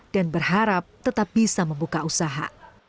dan berharap tetap bisa membuka usaha